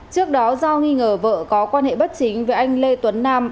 trước đó do nghi ngờ vợ có quan hệ bất chính với anh lê tuấn nam